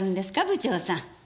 部長さん。